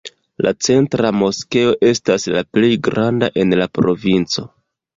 La centra moskeo estas la plej granda en la provinco.